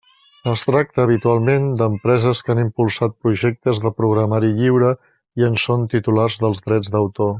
Es tracta, habitualment, d'empreses que han impulsat projectes de programari lliure i en són titulars dels drets d'autor.